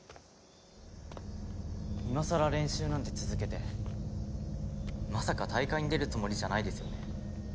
今さら練習なんて続けてまさか大会に出るつもりじゃないですよね？